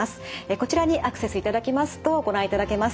こちらにアクセスいただきますとご覧いただけます。